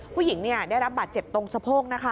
ผู้หญิงได้รับบาดเจ็บตรงสะโพกนะคะ